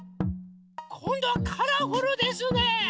⁉こんどはカラフルですね。